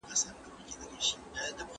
د پورته د لایلو په سبب.